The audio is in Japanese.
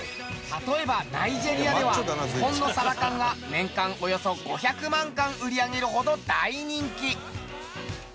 例えばナイジェリアでは日本のサバ缶は年間およそ５００万缶売り上げるほど大人気。